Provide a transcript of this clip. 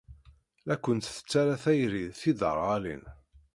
La kent-tettara tayri d tiderɣalin.